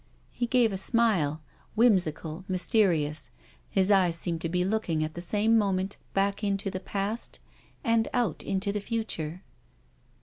He gave a sbiile, whimsical, mysterious, his eyes seemed to be looking at the same moment back into the past and out into the future.